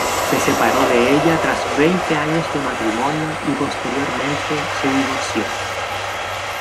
Se separó de ella tras veinte años de matrimonio y posteriormente se divorció.